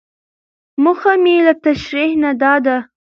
موخه مې له تشريحي نه دا ده.